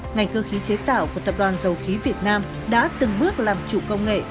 ngành cơ khí chế tạo của tập đoàn dầu khí việt nam đã từng bước làm chủ công nghệ